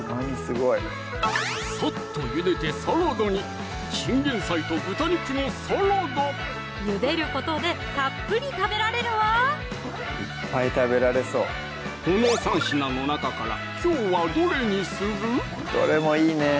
サッとゆでてサラダにゆでることでたっぷり食べられるわこの３品の中からきょうはどれにする？